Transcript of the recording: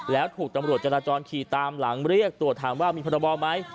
แล้วถูกตำรวจจราจรขี่ตามหลังเรียกตรวจถามว่ามีพรบไหม